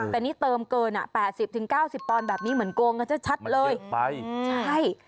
แต่นี่เติมเกินอ่ะแปดสิบถึงเก้าสิบปอนด์แบบนี้เหมือนโกงกันจะชัดเลยมันเยอะไปใช่